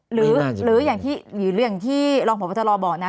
หรืออย่างที่อยู่เรื่องที่รองประวัติศาสตร์บอกนะ